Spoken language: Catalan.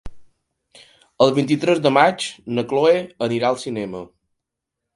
El vint-i-tres de maig na Cloè anirà al cinema.